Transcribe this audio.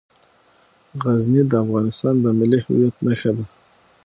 غزني د افغانستان د ملي هویت نښه ده.